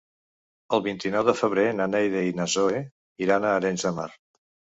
El vint-i-nou de febrer na Neida i na Zoè iran a Arenys de Mar.